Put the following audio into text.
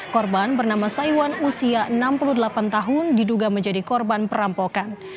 korban bernama saiwan usia enam puluh delapan tahun diduga menjadi korban perampokan